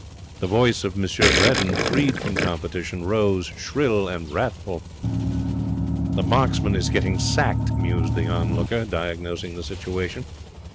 The voice of M. Bredin, freed from competition, rose shrill and wrathful. 'The marksman is getting sacked,' mused the onlooker, diagnosing the situation.